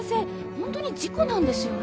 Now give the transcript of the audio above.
ホントに事故なんですよね？